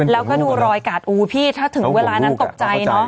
แล้วก็ดูรอยกาดอู๋พี่ถ้าถึงเวลานั้นตกใจเนอะ